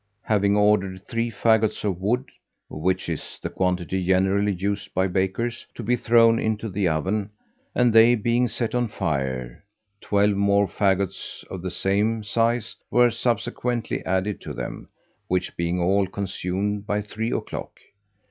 Having ordered three fagots of wood, which is the quantity generally used by bakers, to be thrown into the oven, and they being set on fire, twelve more fagots of the same size were subsequently added to them, which being all consumed by three o'clock, M.